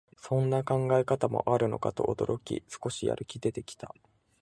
そんな考え方もあるのかと驚き、少しやる気出てきた